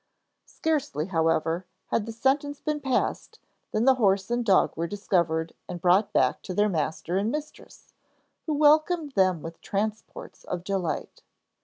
Scarcely, however, had the sentence been passed than the horse and dog were discovered and brought back to their master and mistress, who welcomed them with transports of delight.